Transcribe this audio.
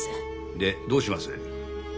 でどうします？